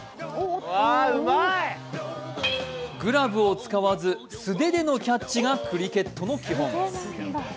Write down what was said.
グラブを使わず素手でのキャッチがクリケットの基本。